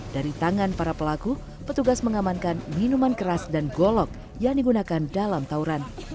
dari tangan para pelaku petugas mengamankan minuman keras dan golok yang digunakan dalam tauran